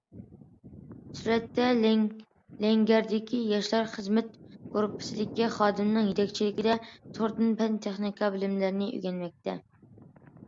سۈرەتتە: لەڭگەردىكى ياشلار خىزمەت گۇرۇپپىسىدىكى خادىمنىڭ يېتەكچىلىكىدە، توردىن پەن- تېخنىكا بىلىملىرىنى ئۆگەنمەكتە.